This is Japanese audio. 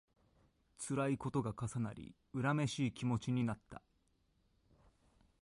つらいことが重なり、恨めしい気持ちになった